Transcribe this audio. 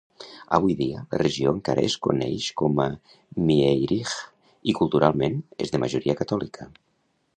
Avui dia la regió encara es coneix com a Meierij i, culturalment, és de majoria catòlica.